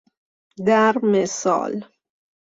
در مثال